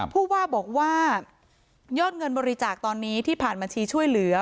ผู้ว่าบอกว่ายอดเงินบริจาคตอนนี้ที่ผ่านบัญชีช่วยเหลือ